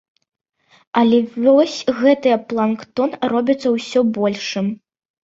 Але вось гэты планктон робіцца ўсё большым.